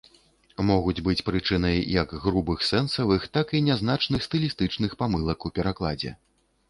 Могуць быць прычынай як грубых сэнсавых, так і нязначных стылістычных памылак у перакладзе.